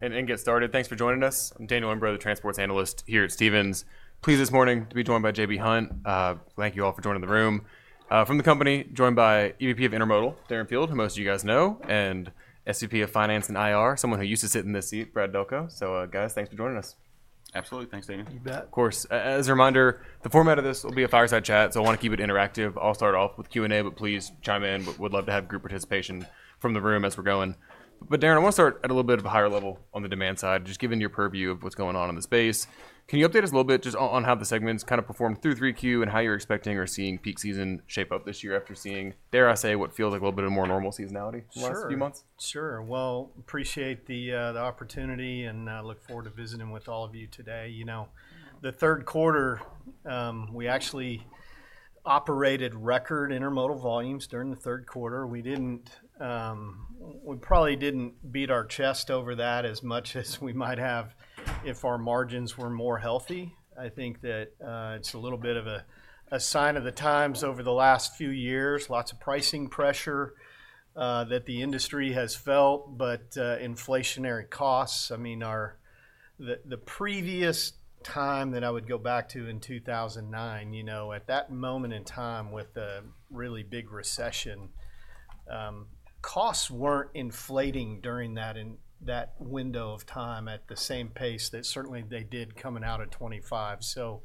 Let's get started. Thanks for joining us. I'm Daniel Imbro, the Transports Analyst here at Stephens. Pleased this morning to be joined by J.B. Hunt. Thank you all for joining the room. From the company, joined by EVP of Intermodal, Darren Field, who most of you guys know, and SVP of Finance and IR, someone who used to sit in this seat, Brad Delco. So, guys, thanks for joining us. Absolutely. Thanks, Daniel. You bet. Of course. As a reminder, the format of this will be a fireside chat, so I want to keep it interactive. I'll start off with Q&A, but please chime in. We'd love to have group participation from the room as we're going. But, Darren, I want to start at a little bit of a higher level on the demand side, just given your purview of what's going on in the space. Can you update us a little bit just on how the segments kind of performed through 3Q and how you're expecting or seeing peak season shape up this year after seeing, dare I say, what feels like a little bit of more normal seasonality in the last few months? Sure. Well, appreciate the opportunity and look forward to visiting with all of you today. You know, the third quarter, we actually operated record intermodal volumes during the third quarter. We probably didn't beat our chest over that as much as we might have if our margins were more healthy. I think that it's a little bit of a sign of the times over the last few years, lots of pricing pressure that the industry has felt, but inflationary costs. I mean, the previous time that I would go back to in 2009, you know, at that moment in time with the really big recession, costs weren't inflating during that window of time at the same pace that certainly they did coming out of 2025. So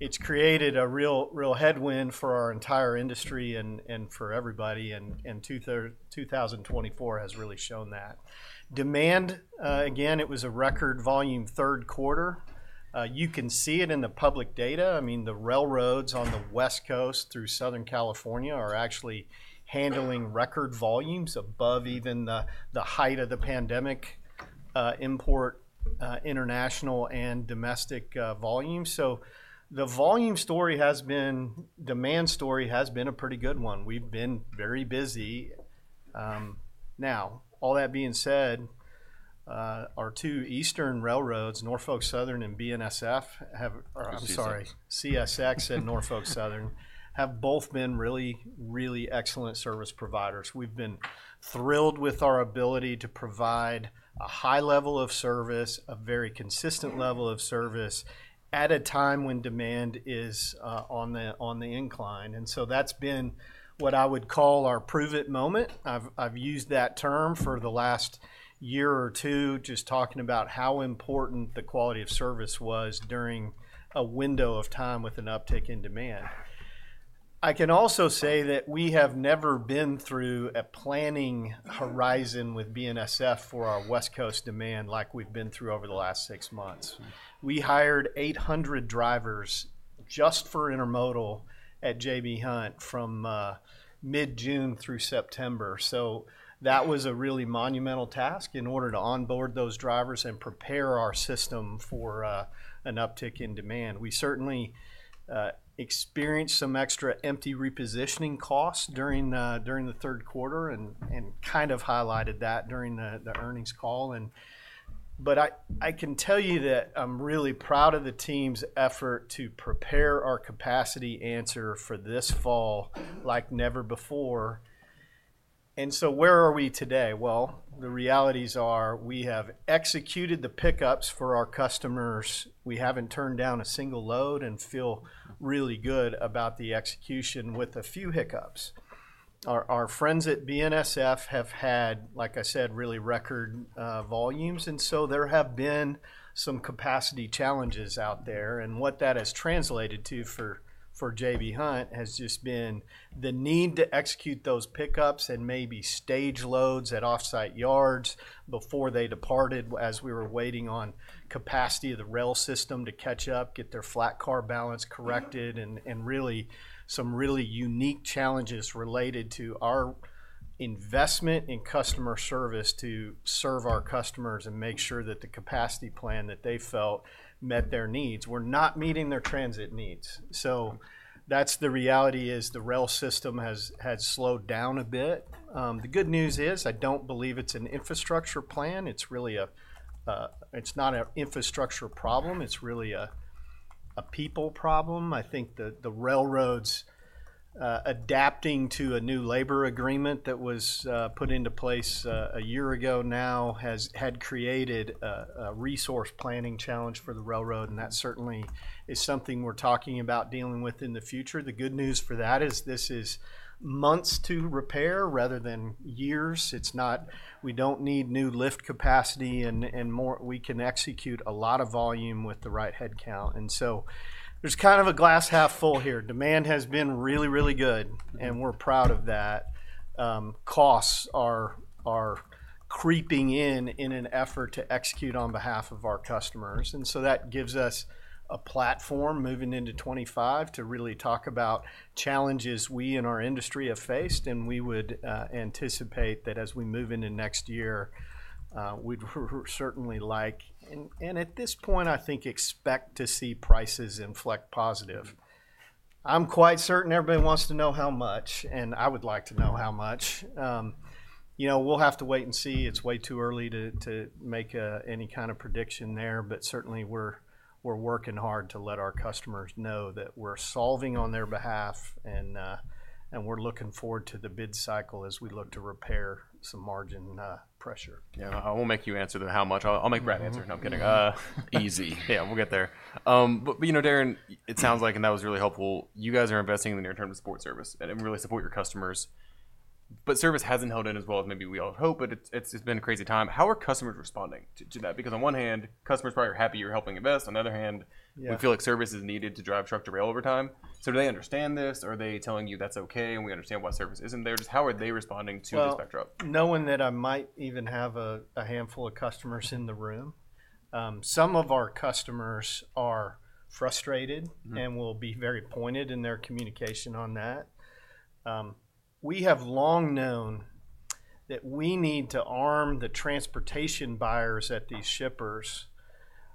it's created a real headwind for our entire industry and for everybody, and 2024 has really shown that. Demand, again, it was a record volume third quarter. You can see it in the public data. I mean, the railroads on the West Coast through Southern California are actually handling record volumes above even the height of the pandemic import, international and domestic volumes. So the volume story has been, demand story has been a pretty good one. We've been very busy. Now, all that being said, our two eastern railroads, Norfolk Southern and BNSF, I'm sorry, CSX and Norfolk Southern, have both been really, really excellent service providers. We've been thrilled with our ability to provide a high level of service, a very consistent level of service at a time when demand is on the incline, and so that's been what I would call our prove it moment. I've used that term for the last year or two, just talking about how important the quality of service was during a window of time with an uptick in demand. I can also say that we have never been through a planning horizon with BNSF for our West Coast demand like we've been through over the last six months. We hired 800 drivers just for intermodal at J.B. Hunt from mid-June through September. So that was a really monumental task in order to onboard those drivers and prepare our system for an uptick in demand. We certainly experienced some extra empty repositioning costs during the third quarter and kind of highlighted that during the earnings call. But I can tell you that I'm really proud of the team's effort to prepare our capacity answer for this fall like never before. And so where are we today? The realities are we have executed the pickups for our customers. We haven't turned down a single load and feel really good about the execution with a few hiccups. Our friends at BNSF have had, like I said, really record volumes, and so there have been some capacity challenges out there. What that has translated to for J.B. Hunt has just been the need to execute those pickups and maybe stage loads at offsite yards before they departed as we were waiting on capacity of the rail system to catch up, get their flat car balance corrected, and really some unique challenges related to our investment in customer service to serve our customers and make sure that the capacity plan that they felt met their needs. We're not meeting their transit needs. That's the reality is the rail system has slowed down a bit. The good news is I don't believe it's an infrastructure problem. It's really not an infrastructure problem. It's really a people problem. I think the railroads adapting to a new labor agreement that was put into place a year ago now has created a resource planning challenge for the railroad, and that certainly is something we're talking about dealing with in the future. The good news for that is this is months to repair rather than years. It's not. We don't need new lift capacity and we can execute a lot of volume with the right headcount. And so there's kind of a glass half full here. Demand has been really, really good, and we're proud of that. Costs are creeping in in an effort to execute on behalf of our customers. And so that gives us a platform moving into 2025 to really talk about challenges we in our industry have faced, and we would anticipate that as we move into next year, we'd certainly like, and at this point, I think, expect to see prices inflect positive. I'm quite certain everybody wants to know how much, and I would like to know how much. You know, we'll have to wait and see. It's way too early to make any kind of prediction there, but certainly we're working hard to let our customers know that we're solving on their behalf and we're looking forward to the bid cycle as we look to repair some margin pressure. Yeah, I won't make you answer then how much. I'll make Brad answer. No, I'm kidding. Easy. Yeah, we'll get there. But, you know, Darren, it sounds like, and that was really helpful, you guys are investing in the near-term support service and really support your customers. But service hasn't held in as well as maybe we all hope, but it's been a crazy time. How are customers responding to that? Because on one hand, customers probably are happy you're helping invest. On the other hand, we feel like service is needed to drive truck to rail over time. So do they understand this? Are they telling you that's okay and we understand why service isn't there? Just how are they responding to the spectrum? Knowing that I might even have a handful of customers in the room, some of our customers are frustrated and will be very pointed in their communication on that. We have long known that we need to arm the transportation buyers at these shippers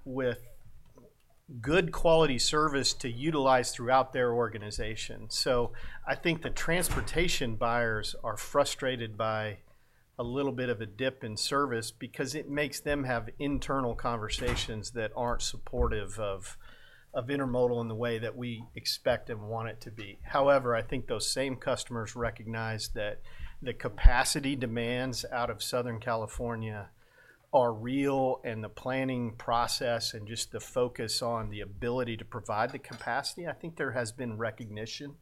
with good quality service to utilize throughout their organization. So I think the transportation buyers are frustrated by a little bit of a dip in service because it makes them have internal conversations that aren't supportive of intermodal in the way that we expect and want it to be. However, I think those same customers recognize that the capacity demands out of Southern California are real and the planning process and just the focus on the ability to provide the capacity. I think there has been recognition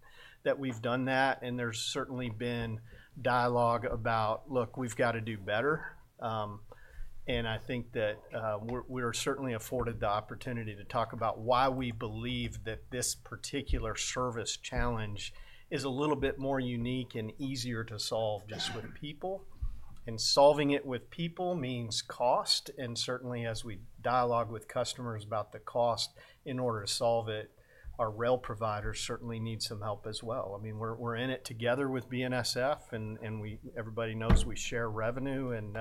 that we've done that. And there's certainly been dialogue about, look, we've got to do better. And I think that we're certainly afforded the opportunity to talk about why we believe that this particular service challenge is a little bit more unique and easier to solve just with people. And solving it with people means cost. And certainly, as we dialogue with customers about the cost in order to solve it, our rail providers certainly need some help as well. I mean, we're in it together with BNSF and everybody knows we share revenue and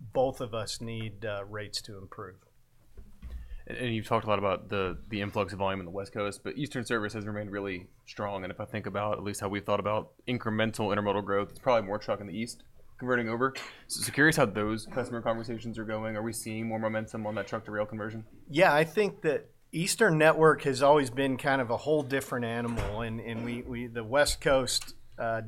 both of us need rates to improve. You've talked a lot about the influx of volume in the West Coast, but Eastern service has remained really strong. If I think about at least how we've thought about incremental intermodal growth, it's probably more truck in the East converting over. Curious how those customer conversations are going. Are we seeing more momentum on that truck-to-rail conversion? Yeah, I think that Eastern network has always been kind of a whole different animal. And the West Coast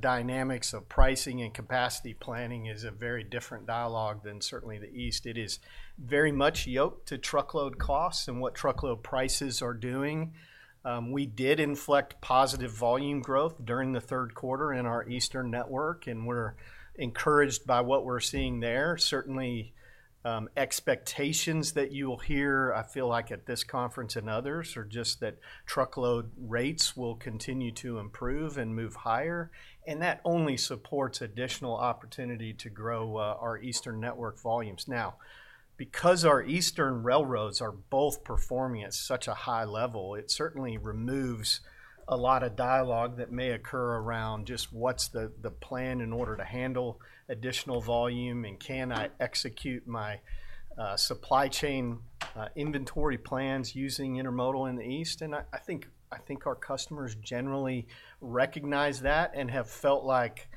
dynamics of pricing and capacity planning is a very different dialogue than certainly the East. It is very much yoked to truckload costs and what truckload prices are doing. We did inflect positive volume growth during the third quarter in our Eastern network, and we're encouraged by what we're seeing there. Certainly, expectations that you will hear, I feel like at this conference and others, are just that truckload rates will continue to improve and move higher. And that only supports additional opportunity to grow our Eastern network volumes. Now, because our Eastern railroads are both performing at such a high level, it certainly removes a lot of dialogue that may occur around just what's the plan in order to handle additional volume and can I execute my supply chain inventory plans using intermodal in the East, and I think our customers generally recognize that and have felt like,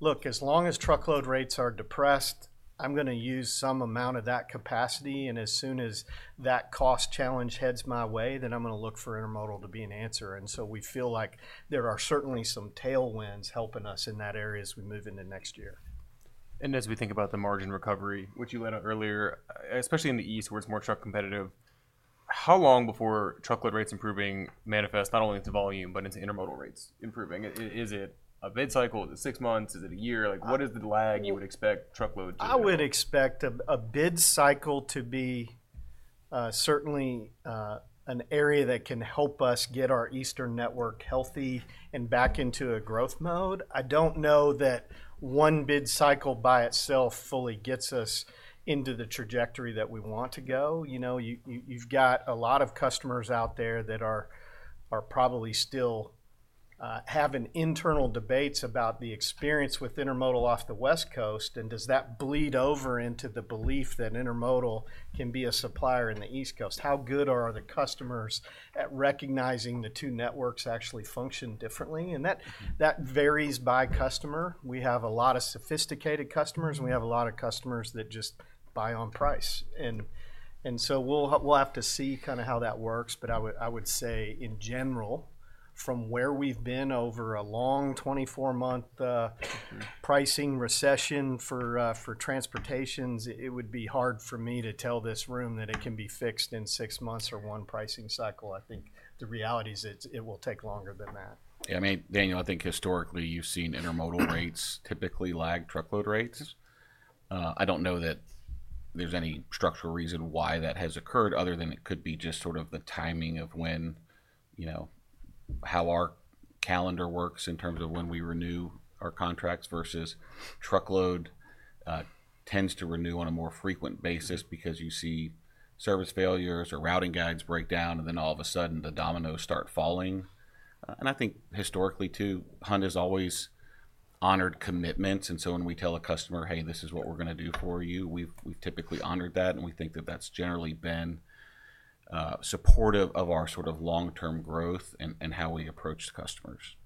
look, as long as truckload rates are depressed, I'm going to use some amount of that capacity, and as soon as that cost challenge heads my way, then I'm going to look for intermodal to be an answer, and so we feel like there are certainly some tailwinds helping us in that area as we move into next year. As we think about the margin recovery, which you led on earlier, especially in the East where it's more truck competitive, how long before truckload rates improving manifest not only into volume, but into intermodal rates improving? Is it a bid cycle? Is it six months? Is it a year? Like, what is the lag you would expect truckload to be? I would expect a bid cycle to be certainly an area that can help us get our Eastern network healthy and back into a growth mode. I don't know that one bid cycle by itself fully gets us into the trajectory that we want to go. You know, you've got a lot of customers out there that are probably still having internal debates about the experience with intermodal off the West Coast, and does that bleed over into the belief that intermodal can be a supplier in the East Coast? How good are the customers at recognizing the two networks actually function differently, and that varies by customer. We have a lot of sophisticated customers and we have a lot of customers that just buy on price, and so we'll have to see kind of how that works. But I would say in general, from where we've been over a long 24-month pricing recession for transportations, it would be hard for me to tell this room that it can be fixed in six months or one pricing cycle. I think the reality is it will take longer than that. Yeah, I mean, Daniel, I think historically you've seen intermodal rates typically lag truckload rates. I don't know that there's any structural reason why that has occurred other than it could be just sort of the timing of when, you know, how our calendar works in terms of when we renew our contracts versus truckload tends to renew on a more frequent basis because you see service failures or routing guides break down and then all of a sudden the dominoes start falling. I think historically too, Hunt has always honored commitments. So when we tell a customer, hey, this is what we're going to do for you, we've typically honored that and we think that that's generally been supportive of our sort of long-term growth and how we approach the customers.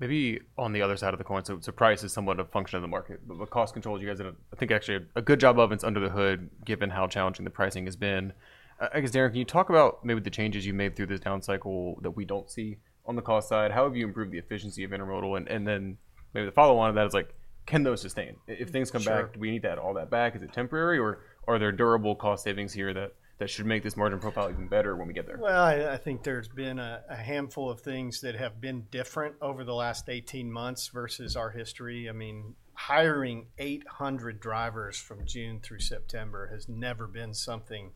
Maybe on the other side of the coin, so price is somewhat a function of the market, but cost control you guys have, I think actually a good job of, and it's under the hood given how challenging the pricing has been. I guess, Darren, can you talk about maybe the changes you made through this down cycle that we don't see on the cost side? How have you improved the efficiency of intermodal? And then maybe the follow-on of that is like, can those sustain? If things come back, do we need that all that back? Is it temporary or are there durable cost savings here that should make this margin profile even better when we get there? I think there's been a handful of things that have been different over the last 18 months versus our history. I mean, hiring 800 drivers from June through September has never been something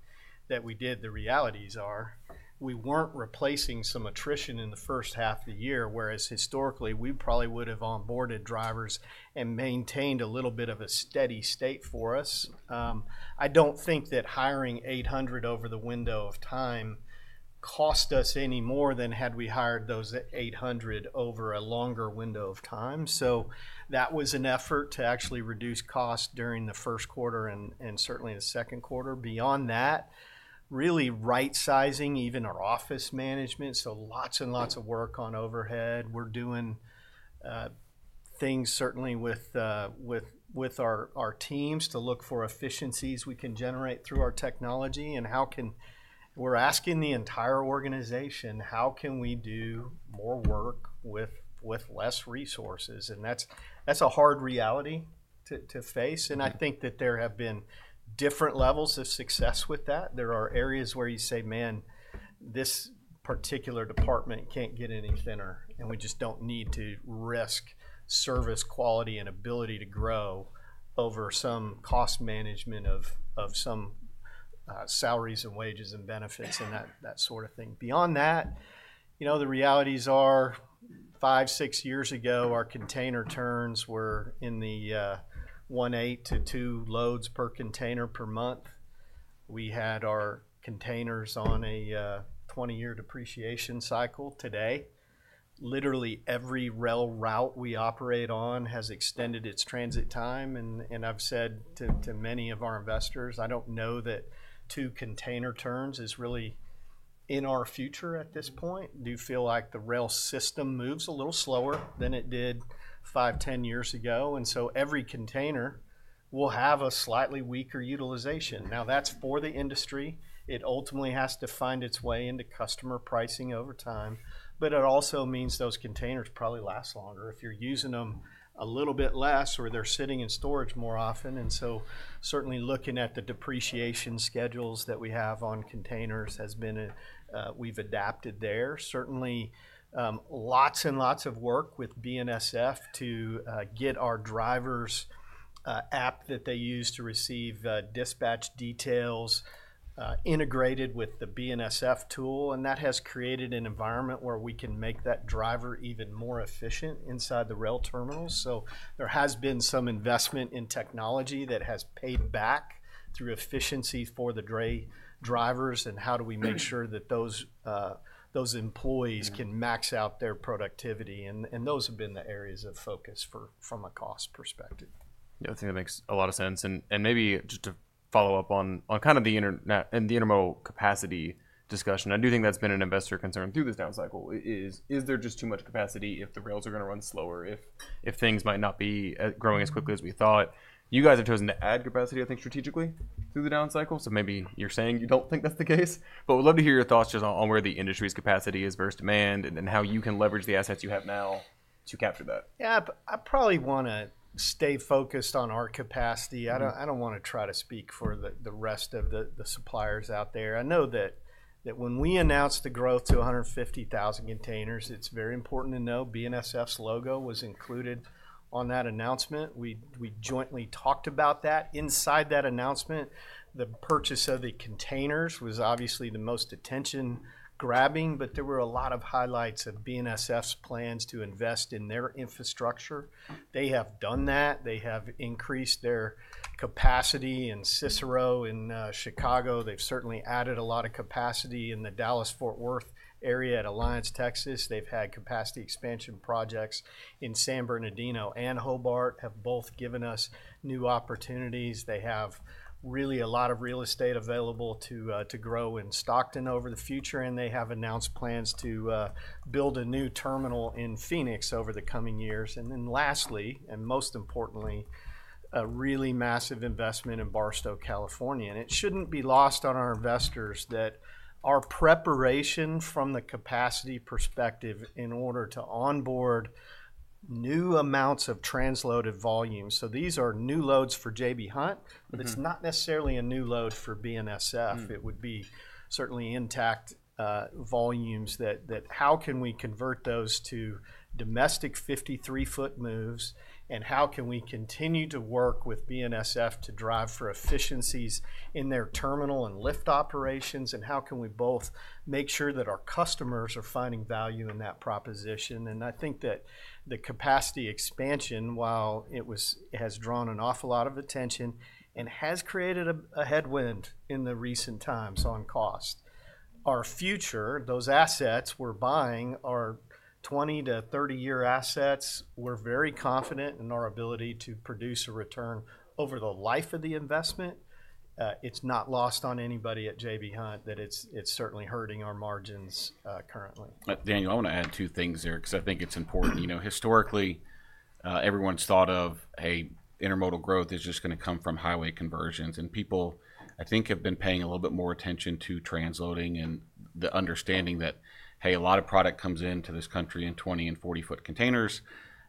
that we did. The realities are, we weren't replacing some attrition in the first half of the year, whereas historically we probably would have onboarded drivers and maintained a little bit of a steady state for us. I don't think that hiring 800 over the window of time cost us any more than had we hired those 800 over a longer window of time. So that was an effort to actually reduce costs during the first quarter and certainly the second quarter. Beyond that, really right-sizing even our office management. So lots and lots of work on overhead. We're doing things certainly with our teams to look for efficiencies we can generate through our technology. How can we, we're asking the entire organization, how can we do more work with less resources? That's a hard reality to face. I think that there have been different levels of success with that. There are areas where you say, man, this particular department can't get any thinner and we just don't need to risk service quality and ability to grow over some cost management of some salaries and wages and benefits and that sort of thing. Beyond that, you know, the realities are five, six years ago, our container turns were in the 1.8 to 2 loads per container per month. We had our containers on a 20-year depreciation cycle. Today, literally every rail route we operate on has extended its transit time. I've said to many of our investors, I don't know that two container turns is really in our future at this point. Do you feel like the rail system moves a little slower than it did five, ten years ago? And so every container will have a slightly weaker utilization. Now that's for the industry. It ultimately has to find its way into customer pricing over time, but it also means those containers probably last longer if you're using them a little bit less or they're sitting in storage more often. And so certainly looking at the depreciation schedules that we have on containers has been, we've adapted there. Certainly lots and lots of work with BNSF to get our drivers' app that they use to receive dispatch details integrated with the BNSF tool. And that has created an environment where we can make that driver even more efficient inside the rail terminals. So there has been some investment in technology that has paid back through efficiency for the drivers. And how do we make sure that those employees can max out their productivity? And those have been the areas of focus from a cost perspective. Yeah, I think that makes a lot of sense. And maybe just to follow up on kind of the intermodal capacity discussion, I do think that's been an investor concern through this down cycle. Is there just too much capacity if the rails are going to run slower, if things might not be growing as quickly as we thought? You guys have chosen to add capacity, I think, strategically through the down cycle. So maybe you're saying you don't think that's the case, but we'd love to hear your thoughts just on where the industry's capacity is versus demand and then how you can leverage the assets you have now to capture that. Yeah, I probably want to stay focused on our capacity. I don't want to try to speak for the rest of the suppliers out there. I know that when we announced the growth to 150,000 containers, it's very important to know BNSF's logo was included on that announcement. We jointly talked about that. Inside that announcement, the purchase of the containers was obviously the most attention-grabbing, but there were a lot of highlights of BNSF's plans to invest in their infrastructure. They have done that. They have increased their capacity in Cicero in Chicago. They've certainly added a lot of capacity in the Dallas-Fort Worth area at Alliance, Texas. They've had capacity expansion projects in San Bernardino and Hobart, have both given us new opportunities. They have really a lot of real estate available to grow in Stockton over the future. And they have announced plans to build a new terminal in Phoenix over the coming years. And then lastly, and most importantly, a really massive investment in Barstow, California. And it shouldn't be lost on our investors that our preparation from the capacity perspective in order to onboard new amounts of transloaded volumes. So these are new loads for J.B. Hunt, but it's not necessarily a new load for BNSF. It would be certainly intact volumes that how can we convert those to domestic 53-foot moves and how can we continue to work with BNSF to drive for efficiencies in their terminal and lift operations? And how can we both make sure that our customers are finding value in that proposition? I think that the capacity expansion, while it has drawn an awful lot of attention and has created a headwind in the recent times on cost, our future, those assets we're buying, our 20-30-year assets, we're very confident in our ability to produce a return over the life of the investment. It's not lost on anybody at J.B. Hunt that it's certainly hurting our margins currently. Daniel, I want to add two things there because I think it's important. You know, historically, everyone's thought of, hey, intermodal growth is just going to come from highway conversions. And people, I think, have been paying a little bit more attention to transloading and the understanding that, hey, a lot of product comes into this country in 20- and 40-foot containers.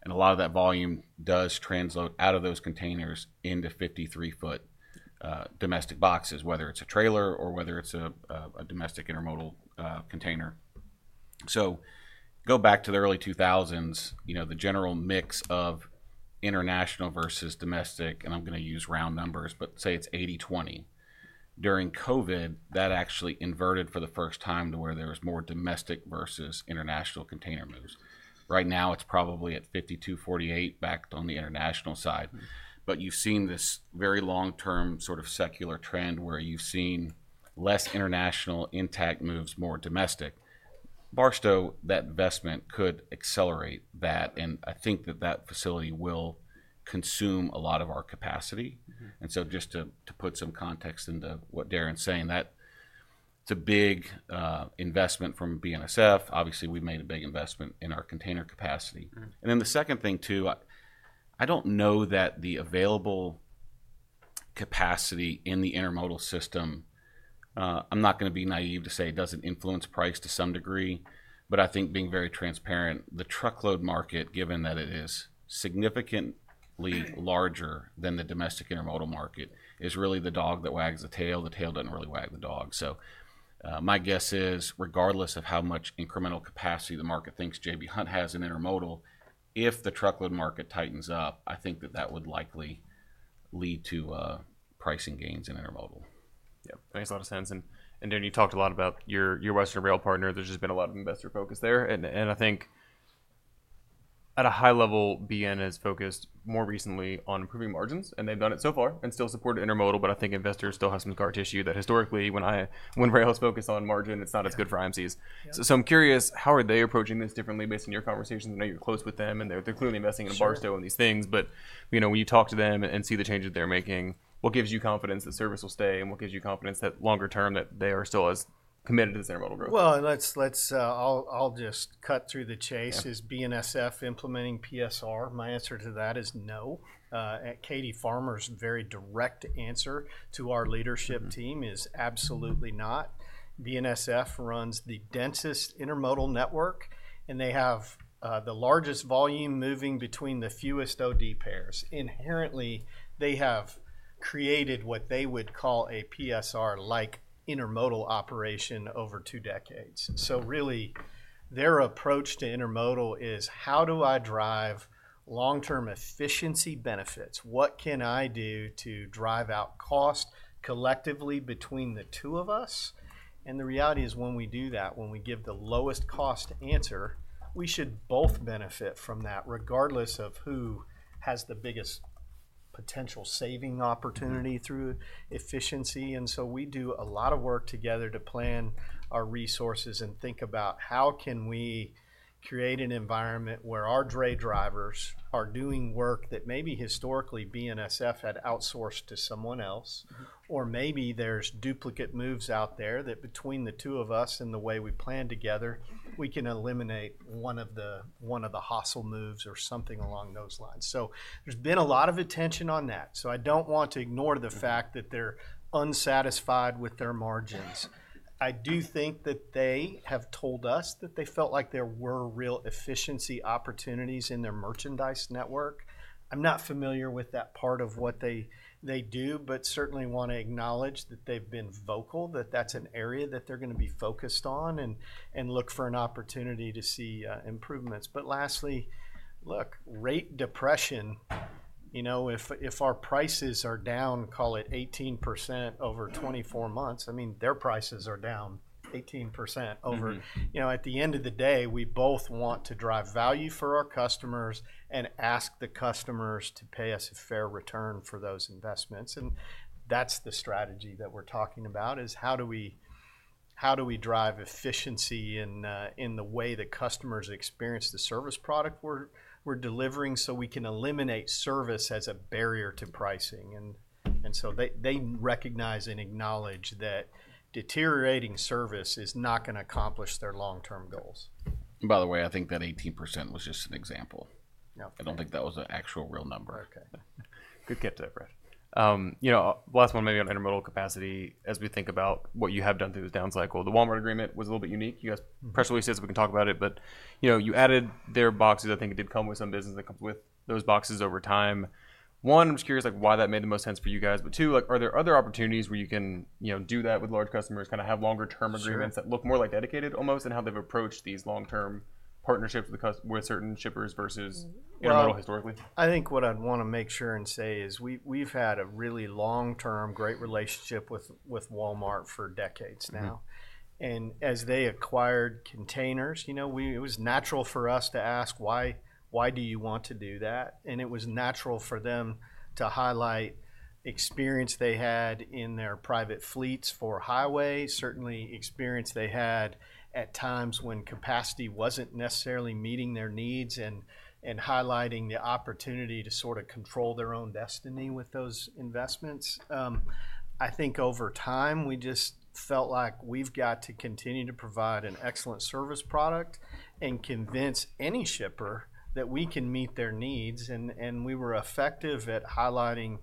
And a lot of that volume does transload out of those containers into 53-foot domestic boxes, whether it's a trailer or whether it's a domestic intermodal container. So go back to the early 2000s, you know, the general mix of international versus domestic, and I'm going to use round numbers, but say it's 80/20. During COVID, that actually inverted for the first time to where there was more domestic versus international container moves. Right now, it's probably at 52/48 backed on the international side. But you've seen this very long-term sort of secular trend where you've seen less international intact moves, more domestic. Barstow, that investment could accelerate that. And I think that that facility will consume a lot of our capacity. And so just to put some context into what Darren's saying, that it's a big investment from BNSF. Obviously, we've made a big investment in our container capacity. And then the second thing too, I don't know that the available capacity in the intermodal system. I'm not going to be naive to say it doesn't influence price to some degree, but I think being very transparent, the truckload market, given that it is significantly larger than the domestic intermodal market, is really the dog that wags the tail. The tail doesn't really wag the dog. So my guess is regardless of how much incremental capacity the market thinks J.B. Hunt has in intermodal. If the truckload market tightens up, I think that would likely lead to pricing gains in intermodal. Yeah, that makes a lot of sense. And then you talked a lot about your Western Rail partner. There's just been a lot of investor focus there. And I think at a high level, BN has focused more recently on improving margins, and they've done it so far and still supported intermodal. But I think investors still have some scar tissue that historically when rail is focused on margin, it's not as good for IMCs. So I'm curious, how are they approaching this differently based on your conversations? I know you're close with them and they're clearly investing in Barstow and these things, but you know, when you talk to them and see the changes they're making, what gives you confidence that service will stay and what gives you confidence that longer term that they are still as committed to this intermodal growth? I'll just cut to the chase. Is BNSF implementing PSR? My answer to that is no. At Katie Farmer's very direct answer to our leadership team is absolutely not. BNSF runs the densest intermodal network and they have the largest volume moving between the fewest OD pairs. Inherently, they have created what they would call a PSR-like intermodal operation over two decades. So really their approach to intermodal is how do I drive long-term efficiency benefits? What can I do to drive out cost collectively between the two of us? And the reality is when we do that, when we give the lowest cost answer, we should both benefit from that regardless of who has the biggest potential saving opportunity through efficiency. And so we do a lot of work together to plan our resources and think about how can we create an environment where our dray drivers are doing work that maybe historically BNSF had outsourced to someone else, or maybe there's duplicate moves out there that between the two of us and the way we plan together, we can eliminate one of the hustle moves or something along those lines. So there's been a lot of attention on that. So I don't want to ignore the fact that they're unsatisfied with their margins. I do think that they have told us that they felt like there were real efficiency opportunities in their merchandise network. I'm not familiar with that part of what they do, but certainly want to acknowledge that they've been vocal, that that's an area that they're going to be focused on and look for an opportunity to see improvements, but lastly, look, rate depression, you know, if our prices are down, call it 18% over 24 months, I mean, their prices are down 18% over, you know, at the end of the day, we both want to drive value for our customers and ask the customers to pay us a fair return for those investments, and that's the strategy that we're talking about is how do we drive efficiency in the way the customers experience the service product we're delivering so we can eliminate service as a barrier to pricing, and so they recognize and acknowledge that deteriorating service is not going to accomplish their long-term goals. And by the way, I think that 18% was just an example. I don't think that was an actual real number. Okay. Good catch there, Brad. You know, last one, maybe on intermodal capacity, as we think about what you have done through this down cycle, the Walmart agreement was a little bit unique. Your press releases, we can talk about it, but you know, you added their boxes. I think it did come with some business that comes with those boxes over time. One, I'm just curious like why that made the most sense for you guys, but two, like are there other opportunities where you can, you know, do that with large customers, kind of have longer-term agreements that look more like dedicated almost and how they've approached these long-term partnerships with certain shippers versus intermodal historically? I think what I'd want to make sure and say is we've had a really long-term great relationship with Walmart for decades now, and as they acquired containers, you know, it was natural for us to ask why do you want to do that, and it was natural for them to highlight experience they had in their private fleets for highway, certainly experience they had at times when capacity wasn't necessarily meeting their needs and highlighting the opportunity to sort of control their own destiny with those investments. I think over time we just felt like we've got to continue to provide an excellent service product and convince any shipper that we can meet their needs, and we were effective at highlighting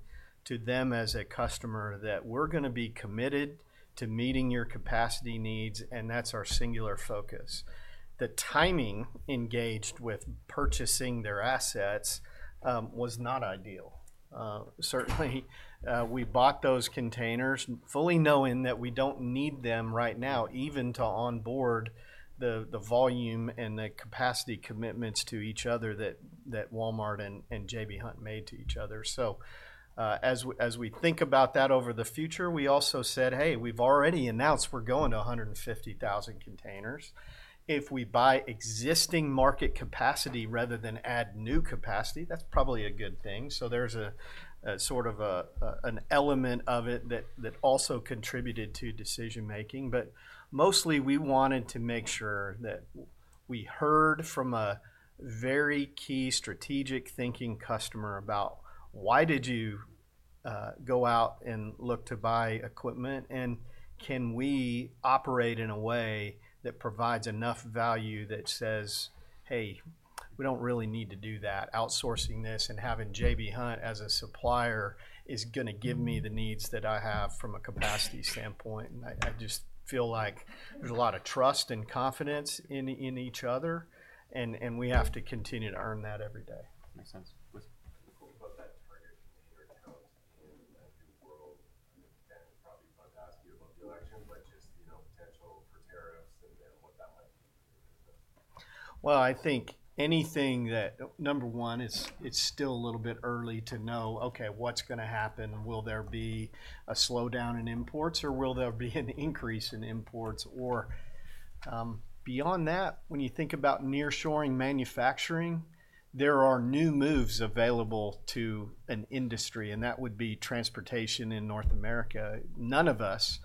to them as a customer that we're going to be committed to meeting your capacity needs, and that's our singular focus. The timing of engaging with purchasing their assets was not ideal. Certainly, we bought those containers fully knowing that we don't need them right now, even to onboard the volume and the capacity commitments to each other that Walmart and J.B. Hunt made to each other, so as we think about that in the future, we also said, hey, we've already announced we're going to 150,000 containers. If we buy existing market capacity rather than add new capacity, that's probably a good thing, so there's a sort of an element of it that also contributed to decision-making, but mostly we wanted to make sure that we heard from a very key strategic customer about why did you go out and look to buy equipment, and can we operate in a way that provides enough value that says, hey, we don't really need to do that outsourcing this and having J.B. Hunt as a supplier is going to give me the needs that I have from a capacity standpoint, and I just feel like there's a lot of trust and confidence in each other, and we have to continue to earn that every day. Makes sense. What about that target for the shared tariffs in the world? That would probably be fun to ask you about the election, but just, you know, potential for tariffs and what that might mean for your business. I think anything that number one, it's still a little bit early to know, okay, what's going to happen? Will there be a slowdown in imports or will there be an increase in imports? Or beyond that, when you think about nearshoring manufacturing, there are new moves available to an industry, and that would be transportation in North America. None of us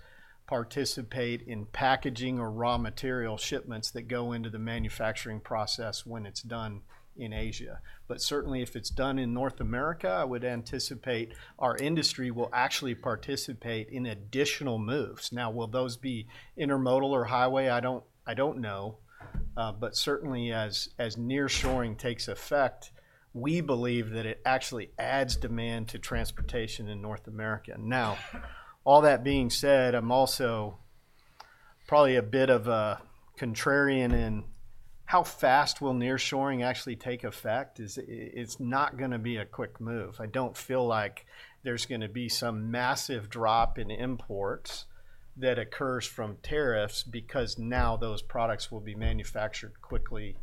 participate in packaging or raw material shipments that go into the manufacturing process when it's done in Asia. But certainly, if it's done in North America, I would anticipate our industry will actually participate in additional moves. Now, will those be intermodal or highway? I don't know. But certainly, as nearshoring takes effect, we believe that it actually adds demand to transportation in North America. Now, all that being said, I'm also probably a bit of a contrarian in how fast will nearshoring actually take effect? It's not going to be a quick move. I don't feel like there's going to be some massive drop in imports that occurs from tariffs because now those products will be manufactured quickly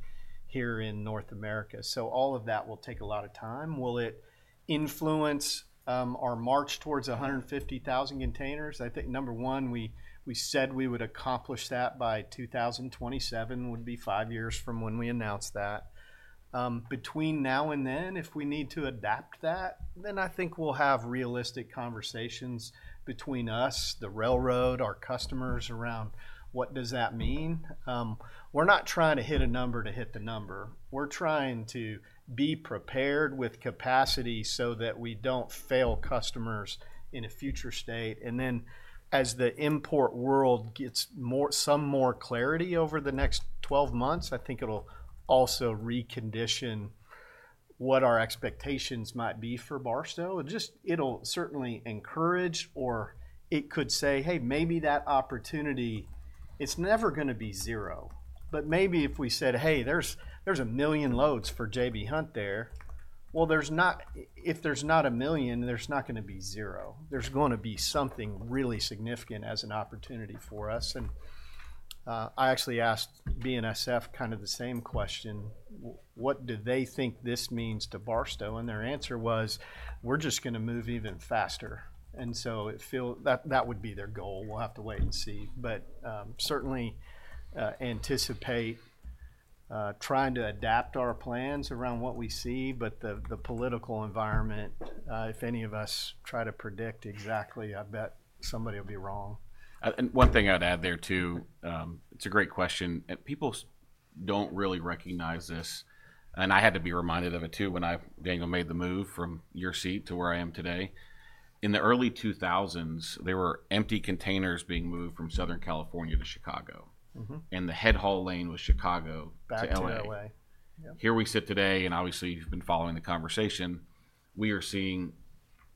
here in North America. So all of that will take a lot of time. Will it influence our march towards 150,000 containers? I think number one, we said we would accomplish that by 2027 would be five years from when we announced that. Between now and then, if we need to adapt that, then I think we'll have realistic conversations between us, the railroad, our customers around what does that mean? We're not trying to hit a number to hit the number. We're trying to be prepared with capacity so that we don't fail customers in a future state. And then as the import world gets some more clarity over the next 12 months, I think it'll also recondition what our expectations might be for Barstow. Just, it'll certainly encourage or it could say, hey, maybe that opportunity, it's never going to be zero, but maybe if we said, hey, there's a million loads for J.B. Hunt there, well, if there's not a million, there's not going to be zero. There's going to be something really significant as an opportunity for us. And I actually asked BNSF kind of the same question, what do they think this means to Barstow? And their answer was, we're just going to move even faster. And so that would be their goal. We'll have to wait and see. But certainly anticipate trying to adapt our plans around what we see, but the political environment, if any of us try to predict exactly, I bet somebody will be wrong. One thing I'd add there too, it's a great question. People don't really recognize this, and I had to be reminded of it too when I, Daniel, made the move from your seat to where I am today. In the early 2000s, there were empty containers being moved from Southern California to Chicago. And the head haul lane was Chicago to LA. Here we sit today, and obviously you've been following the conversation, we are seeing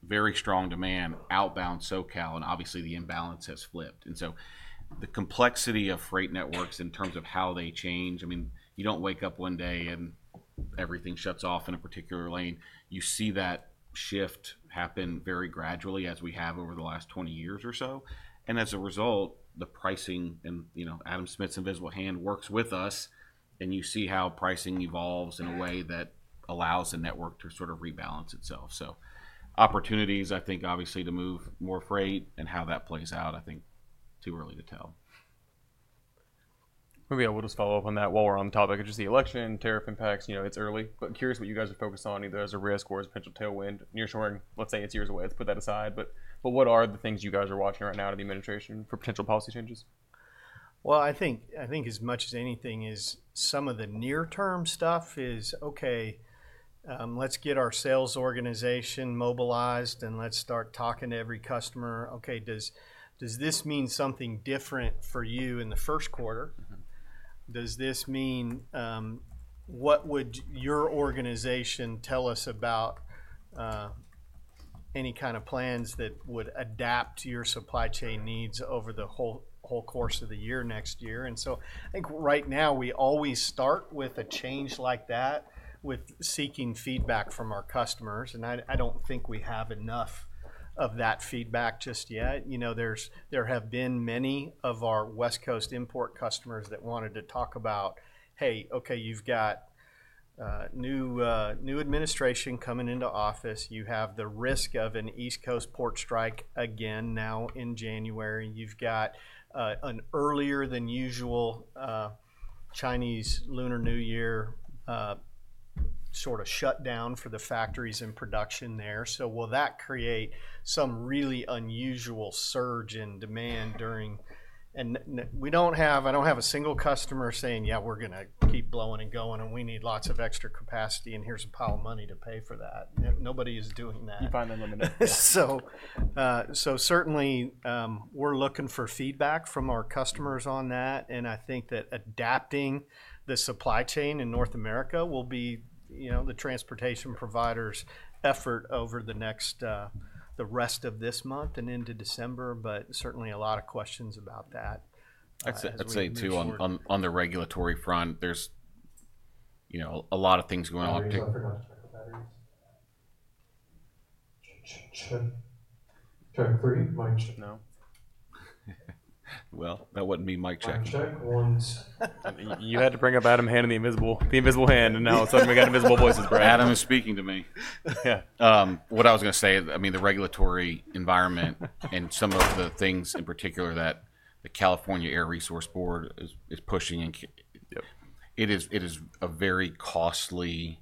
very strong demand outbound SoCal, and obviously the imbalance has flipped. And so the complexity of freight networks in terms of how they change, I mean, you don't wake up one day and everything shuts off in a particular lane. You see that shift happen very gradually as we have over the last 20 years or so. And as a result, the pricing and, you know, Adam Smith's invisible hand works with us, and you see how pricing evolves in a way that allows the network to sort of rebalance itself. So opportunities, I think obviously to move more freight and how that plays out, I think too early to tell. Maybe I'll just follow up on that while we're on the topic. It's just the election, tariff impacts, you know, it's early, but curious what you guys are focused on, either as a risk or as a potential tailwind nearshoring, let's say it's years away, let's put that aside. But what are the things you guys are watching right now to the administration for potential policy changes? I think as much as anything is some of the near-term stuff is, okay, let's get our sales organization mobilized and let's start talking to every customer. Okay, does this mean something different for you in the first quarter? Does this mean what would your organization tell us about any kind of plans that would adapt to your supply chain needs over the whole course of the year next year? So I think right now we always start with a change like that with seeking feedback from our customers. I don't think we have enough of that feedback just yet. You know, there have been many of our West Coast import customers that wanted to talk about, hey, okay, you've got new administration coming into office. You have the risk of an East Coast port strike again now in January. You've got an earlier than usual Chinese Lunar New Year sort of shutdown for the factories and production there. So will that create some really unusual surge in demand during? And we don't have, I don't have a single customer saying, yeah, we're going to keep blowing and going and we need lots of extra capacity and here's a pile of money to pay for that. Nobody is doing that. You find unlimited. Certainly we're looking for feedback from our customers on that. I think that adapting the supply chain in North America will be, you know, the transportation provider's effort over the next, the rest of this month and into December, but certainly a lot of questions about that. I'd say too, on the regulatory front, there's, you know, a lot of things going on. Check three, mic check. No. Well, that wouldn't be mic check. Mic check one. You had to bring up Adam Smith and the invisible hand, and now suddenly we got invisible voices, Brad. Adam is speaking to me. What I was going to say, I mean, the regulatory environment and some of the things in particular that the California Air Resources Board is pushing, it is a very costly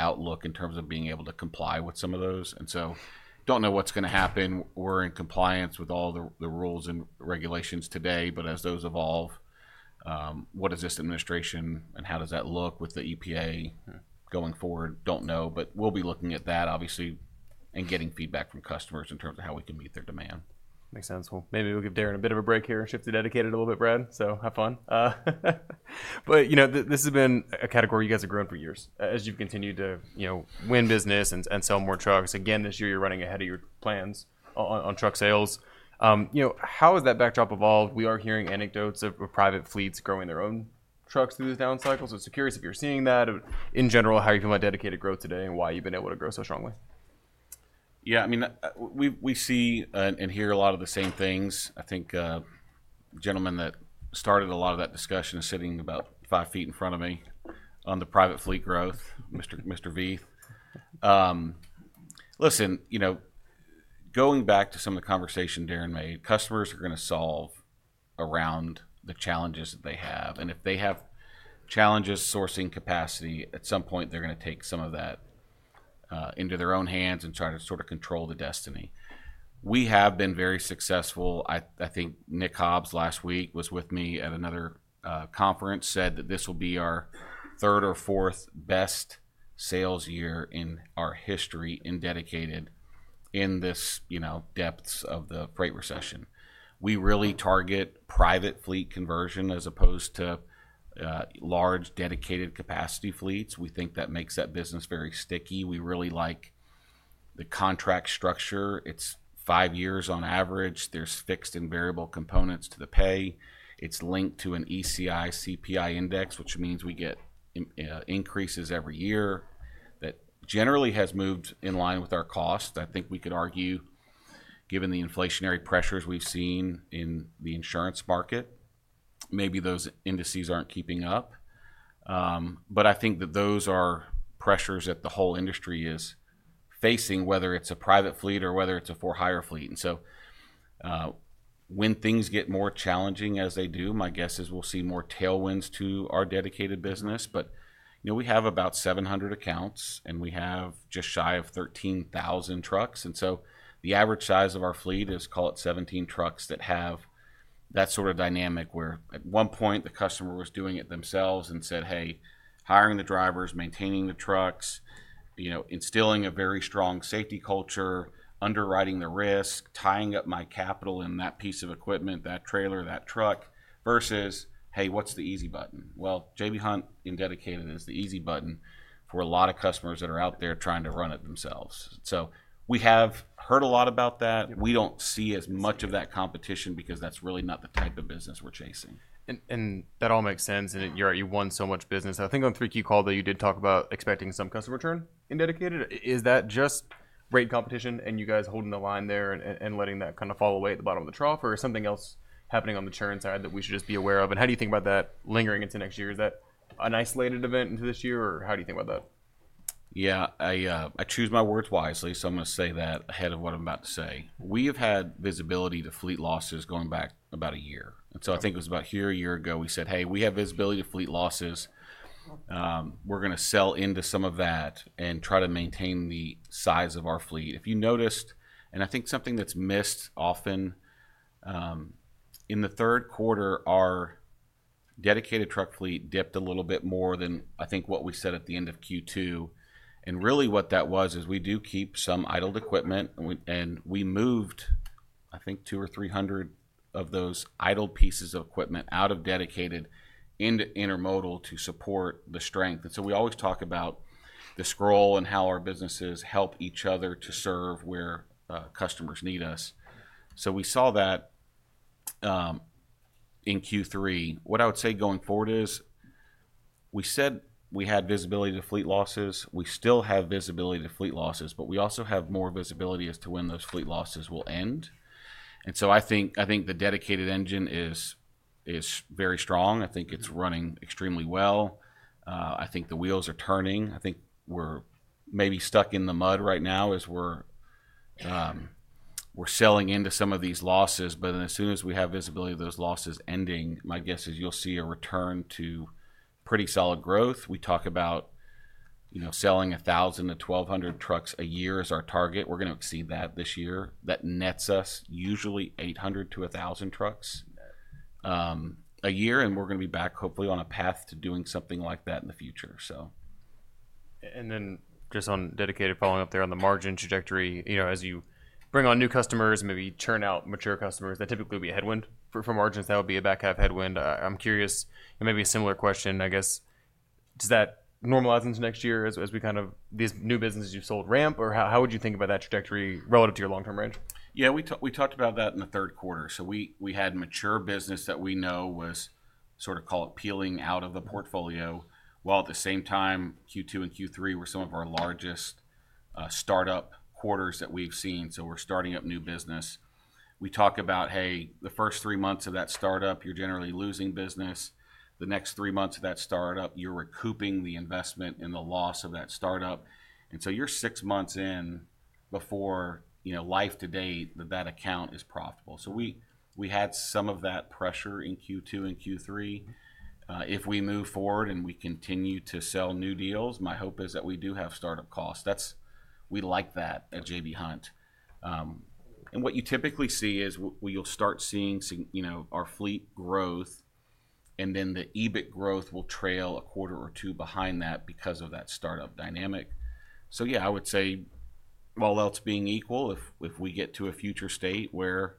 outlook in terms of being able to comply with some of those. And so don't know what's going to happen. We're in compliance with all the rules and regulations today, but as those evolve, what does this administration and how does that look with the EPA going forward? Don't know, but we'll be looking at that obviously and getting feedback from customers in terms of how we can meet their demand. Makes sense. Well, maybe we'll give Darren a bit of a break here and shift to dedicated a little bit, Brad. So have fun. But you know, this has been a category you guys have grown for years as you've continued to, you know, win business and sell more trucks. Again, this year you're running ahead of your plans on truck sales. You know, how has that backdrop evolved? We are hearing anecdotes of private fleets growing their own trucks through the down cycle. So it's curious if you're seeing that in general, how you feel about dedicated growth today and why you've been able to grow so strongly? Yeah, I mean, we see and hear a lot of the same things. I think the gentleman that started a lot of that discussion is sitting about five feet in front of me on the private fleet growth, Mr. V. Listen, you know, going back to some of the conversation Darren made, customers are going to revolve around the challenges that they have. And if they have challenges sourcing capacity, at some point they're going to take some of that into their own hands and try to sort of control the destiny. We have been very successful. I think Nick Hobbs last week was with me at another conference, said that this will be our third or fourth best sales year in our history in dedicated in this, you know, depths of the freight recession. We really target private fleet conversion as opposed to large dedicated capacity fleets. We think that makes that business very sticky. We really like the contract structure. It's five years on average. There's fixed and variable components to the pay. It's linked to an ECI CPI index, which means we get increases every year that generally has moved in line with our cost. I think we could argue, given the inflationary pressures we've seen in the insurance market, maybe those indices aren't keeping up. But I think that those are pressures that the whole industry is facing, whether it's a private fleet or whether it's a for-hire fleet. And so when things get more challenging as they do, my guess is we'll see more tailwinds to our dedicated business. But you know, we have about 700 accounts and we have just shy of 13,000 trucks. The average size of our fleet is, call it, 17 trucks that have that sort of dynamic where at one point the customer was doing it themselves and said, "hey, hiring the drivers, maintaining the trucks, you know, instilling a very strong safety culture, underwriting the risk, tying up my capital in that piece of equipment, that trailer, that truck" versus "hey, what's the easy button?" J.B. Hunt in dedicated is the easy button for a lot of customers that are out there trying to run it themselves. We have heard a lot about that. We don't see as much of that competition because that's really not the type of business we're chasing. And that all makes sense. And you won so much business. I think on 3Q call that you did talk about expecting some customer churn in dedicated. Is that just rate competition and you guys holding the line there and letting that kind of fall away at the bottom of the trough or is something else happening on the churn side that we should just be aware of? And how do you think about that lingering into next year? Is that an isolated event into this year or how do you think about that? Yeah, I choose my words wisely. So I'm going to say that ahead of what I'm about to say. We have had visibility to fleet losses going back about a year. And so I think it was about a year ago we said, hey, we have visibility to fleet losses. We're going to sell into some of that and try to maintain the size of our fleet. If you noticed, and I think something that's missed often in the third quarter, our dedicated truck fleet dipped a little bit more than I think what we said at the end of Q2. And really what that was is we do keep some idled equipment and we moved, I think two or three hundred of those idled pieces of equipment out of dedicated into intermodal to support the strength. And so we always talk about the scroll and how our businesses help each other to serve where customers need us. So we saw that in Q3. What I would say going forward is we said we had visibility to fleet losses. We still have visibility to fleet losses, but we also have more visibility as to when those fleet losses will end. And so I think the dedicated engine is very strong. I think it's running extremely well. I think the wheels are turning. I think we're maybe stuck in the mud right now as we're selling into some of these losses. But as soon as we have visibility of those losses ending, my guess is you'll see a return to pretty solid growth. We talk about, you know, selling 1,000-1,200 trucks a year is our target. We're going to exceed that this year. That nets us usually 800-1,000 trucks a year, and we're going to be back hopefully on a path to doing something like that in the future. And then, just on dedicated, following up there on the margin trajectory, you know, as you bring on new customers, maybe churn out mature customers, that typically will be a headwind for margins. That would be a back half headwind. I'm curious, maybe a similar question, I guess. Does that normalize into next year as we kind of these new businesses you've sold ramp, or how would you think about that trajectory relative to your long-term range? Yeah, we talked about that in the third quarter. So we had mature business that we know was sort of call it peeling out of the portfolio while at the same time Q2 and Q3 were some of our largest startup quarters that we've seen. So we're starting up new business. We talk about, hey, the first three months of that startup, you're generally losing business. The next three months of that startup, you're recouping the investment in the loss of that startup. And so you're six months in before, you know, life to date that that account is profitable. So we had some of that pressure in Q2 and Q3. If we move forward and we continue to sell new deals, my hope is that we do have startup costs. We like that at J.B. Hunt. What you typically see is you'll start seeing, you know, our fleet growth and then the EBIT growth will trail a quarter or two behind that because of that startup dynamic. Yeah, I would say all else being equal, if we get to a future state where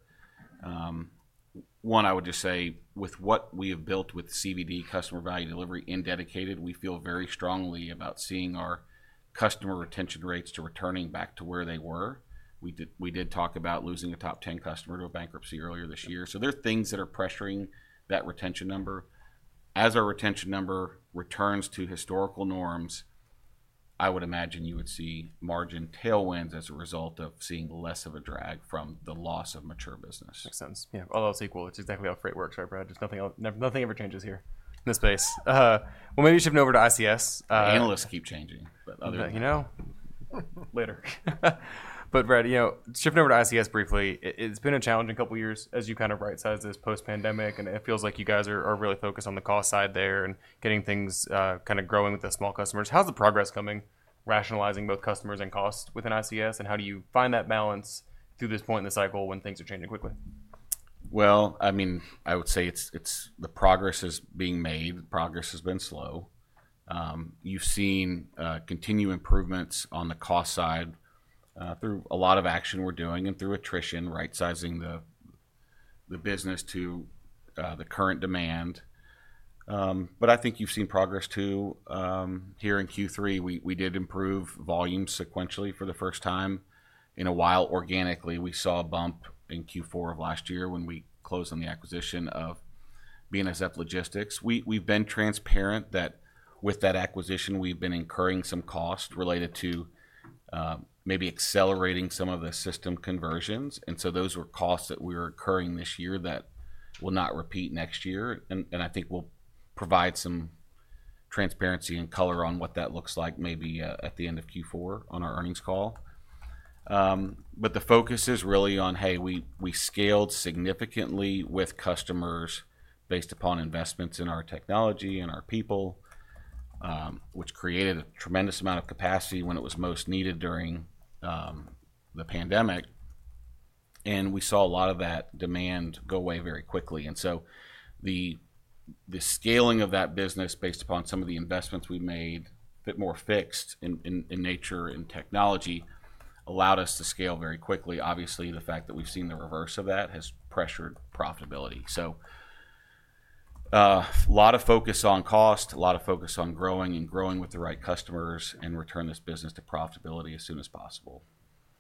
one, I would just say with what we have built with CVD, customer value delivery in dedicated, we feel very strongly about seeing our customer retention rates to returning back to where they were. We did talk about losing a top 10 customer to a bankruptcy earlier this year. There are things that are pressuring that retention number. As our retention number returns to historical norms, I would imagine you would see margin tailwinds as a result of seeing less of a drag from the loss of mature business. Makes sense. Yeah, although it's equal, it's exactly how freight works, right, Brad? Just nothing ever changes here in this space. Well, maybe shifting over to ICS. Analysts keep changing, but other than that. You know, later. But Brad, you know, shifting over to ICS briefly, it's been a challenging couple of years as you kind of right-size this post-pandemic and it feels like you guys are really focused on the cost side there and getting things kind of growing with the small customers. How's the progress coming? Rationalizing both customers and costs within ICS and how do you find that balance through this point in the cycle when things are changing quickly? I mean, I would say the progress is being made. The progress has been slow. You've seen continued improvements on the cost side through a lot of action we're doing and through attrition, right-sizing the business to the current demand. But I think you've seen progress too. Here in Q3, we did improve volume sequentially for the first time in a while organically. We saw a bump in Q4 of last year when we closed on the acquisition of BNSF Logistics. We've been transparent that with that acquisition, we've been incurring some cost related to maybe accelerating some of the system conversions. And so those were costs that we were incurring this year that will not repeat next year. And I think we'll provide some transparency and color on what that looks like maybe at the end of Q4 on our earnings call. But the focus is really on, hey, we scaled significantly with customers based upon investments in our technology and our people, which created a tremendous amount of capacity when it was most needed during the pandemic. And we saw a lot of that demand go away very quickly. And so the scaling of that business based upon some of the investments we made, a bit more fixed in nature and technology, allowed us to scale very quickly. Obviously, the fact that we've seen the reverse of that has pressured profitability. So a lot of focus on cost, a lot of focus on growing and growing with the right customers and return this business to profitability as soon as possible.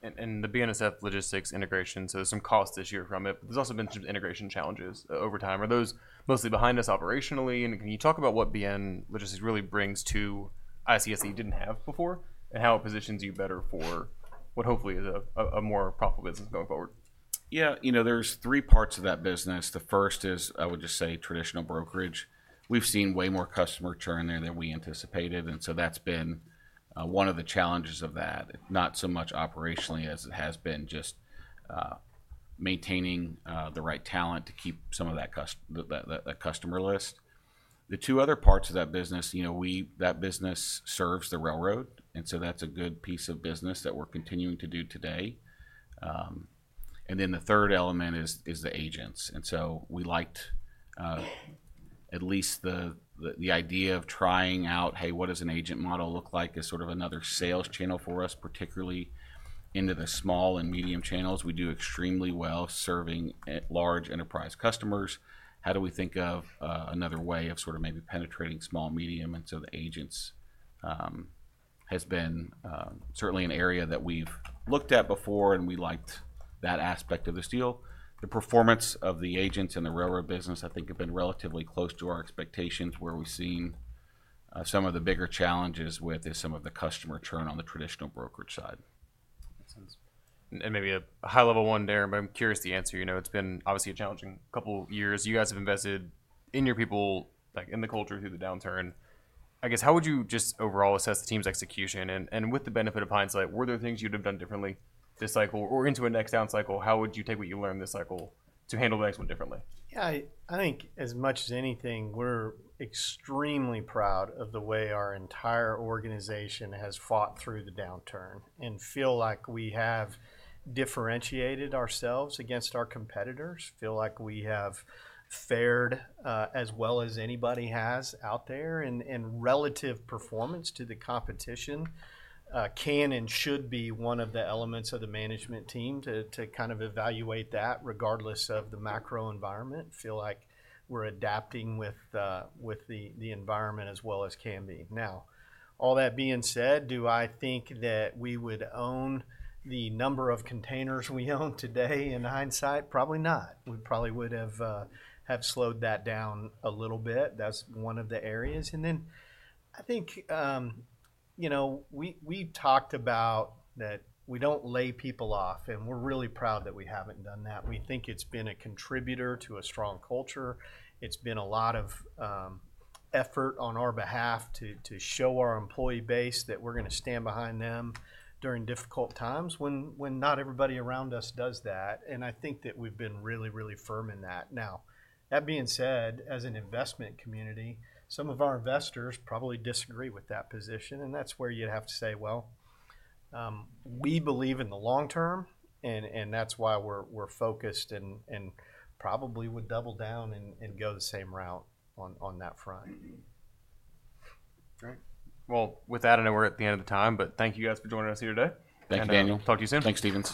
The BNSF Logistics integration, so there's some cost this year from it, but there's also been some integration challenges over time. Are those mostly behind us operationally? And can you talk about what BNSF Logistics really brings to ICS that you didn't have before and how it positions you better for what hopefully is a more profitable business going forward? Yeah, you know, there's three parts of that business. The first is, I would just say traditional brokerage. We've seen way more customer churn there than we anticipated, and so that's been one of the challenges of that, not so much operationally as it has been just maintaining the right talent to keep some of that customer list. The two other parts of that business, you know, that business serves the railroad, and so that's a good piece of business that we're continuing to do today, and then the third element is the agents, and so we liked at least the idea of trying out, hey, what does an agent model look like as sort of another sales channel for us, particularly into the small and medium channels. We do extremely well serving large enterprise customers. How do we think of another way of sort of maybe penetrating small, medium? And so the agents has been certainly an area that we've looked at before and we liked that aspect of the deal. The performance of the agents and the railroad business, I think, have been relatively close to our expectations, where we've seen some of the bigger challenges with is some of the customer churn on the traditional brokerage side. Maybe a high-level one there, but I'm curious to answer, you know, it's been obviously a challenging couple of years. You guys have invested in your people, like in the culture through the downturn. I guess how would you just overall assess the team's execution? With the benefit of hindsight, were there things you would have done differently this cycle or into a next down cycle? How would you take what you learned this cycle to handle the next one differently? Yeah, I think as much as anything, we're extremely proud of the way our entire organization has fought through the downturn and feel like we have differentiated ourselves against our competitors. Feel like we have fared as well as anybody has out there, and relative performance to the competition can and should be one of the elements of the management team to kind of evaluate that regardless of the macro environment. Feel like we're adapting with the environment as well as can be. Now, all that being said, do I think that we would own the number of containers we own today in hindsight? Probably not. We probably would have slowed that down a little bit. That's one of the areas, and then I think, you know, we talked about that we don't lay people off and we're really proud that we haven't done that. We think it's been a contributor to a strong culture. It's been a lot of effort on our behalf to show our employee base that we're going to stand behind them during difficult times when not everybody around us does that. And I think that we've been really, really firm in that. Now, that being said, as an investment community, some of our investors probably disagree with that position. And that's where you'd have to say, well, we believe in the long term and that's why we're focused and probably would double down and go the same route on that front. Great. Well, with that, I know we're at the end of the time, but thank you guys for joining us here today. Thank you, Daniel. Talk to you soon. Thanks, Stephens.